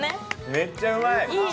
めっちゃうまい！